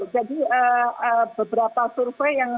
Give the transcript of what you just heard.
jadi beberapa survei yang